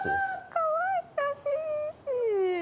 かわいらしい。